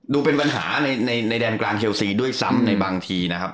ดูเป็นปัญหาในแดนกลางเชลซีด้วยซ้ำในบางทีนะครับ